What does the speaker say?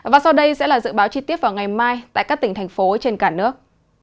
và sau đây sẽ là dự báo chi tiết vào ngày mai tại các tỉnh thành phố trên cả nước